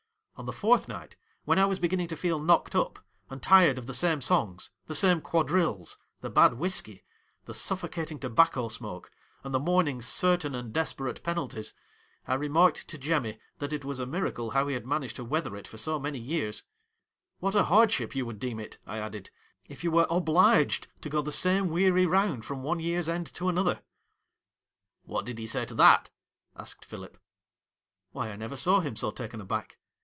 On the fourth night, when I was beginning to feel knocked up, and tired of the same songs, the same quadrilles, the bad whiskey, the suffocating tobacco smoke, and the morning's certain and desperate penalties, I remarked to Jemmy, that it was a miracle how he had managed to weather it for so many years, "What a hardship you would deem it," I added, " if you were obliged to go the same weary round from one year's end to another." ' 1 What did he sayto that 1 ' asked Philip. 'Why, I never saw him so taken aback.